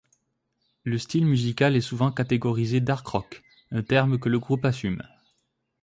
Le style musical est souvent catégorisé dark rock, un terme que le groupe assume.